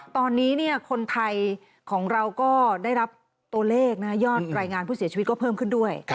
ตอนนี้คนไทยของเราก็ได้รับตัวเลขยอดรายงานผู้เสียชีวิตก็เพิ่มขึ้นด้วย